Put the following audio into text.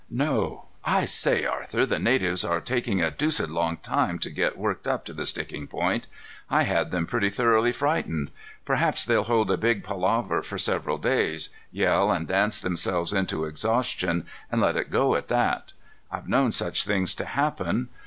"No. I say, Arthur, the natives are taking a deuced long time to get worked up to the sticking point. I had them pretty thoroughly frightened. Perhaps they'll hold a big palaver for several days, yell and dance themselves into exhaustion, and let it go at that. I've known such things to happen.